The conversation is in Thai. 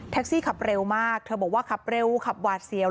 ซี่ขับเร็วมากเธอบอกว่าขับเร็วขับหวาดเสียว